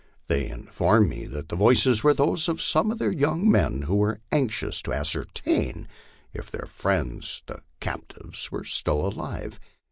They informed me that the voices were those of some of their young men who were anxious to ascertain if their friends the captives were still alive.